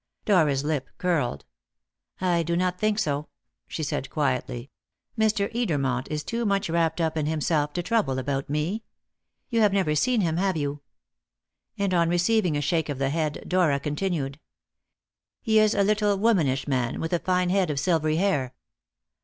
Dora's lip curled. "I do not think so," she said quietly. "Mr. Edermont is too much wrapped up in himself to trouble about me. You have never seen him, have you?" And on receiving a shake of the head, Dora continued: "He is a little womanish man, with a fine head of silvery hair."